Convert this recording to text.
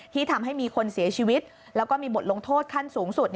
ที่ทำให้มีคนเสียชีวิตแล้วก็มีบทลงโทษขั้นสูงสุด